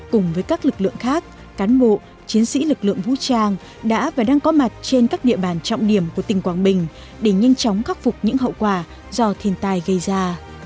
cùng với các lực lượng khác cán bộ chiến sĩ lực lượng vũ trang đã và đang có mặt trên các địa bàn trọng điểm của tỉnh quảng bình để nhanh chóng khắc phục những hậu quả do thiên tai gây ra